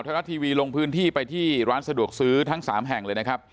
รัฐทีวีลงพื้นที่ไปที่ร้านสะดวกซื้อทั้ง๓แห่งเลยนะครับ